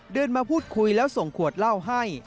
เดินมาพูดคุยแล้วส่งขวดเหล้าให้